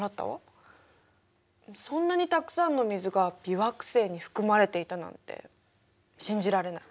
そんなにたくさんの水が微惑星に含まれていたなんて信じられない。